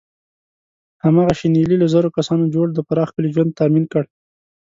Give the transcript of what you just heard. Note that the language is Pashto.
هماغه شنیلي له زرو کسانو جوړ د پراخ کلي ژوند تأمین کړ.